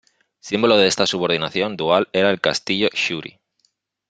Símbolo de esta subordinación dual era el Castillo Shuri.